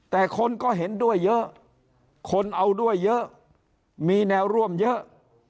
แต่คนก็เห็นด้วยเยอะคนเอาด้วยเยอะมีแนวร่วมเยอะ